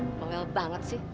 ih mogel banget sih